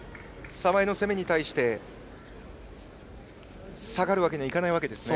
澤江の攻めに対して下がるわけにはいかないんですね。